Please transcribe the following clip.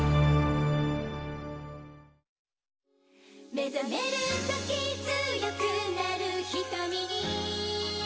「目醒めるとき強くなる瞳に」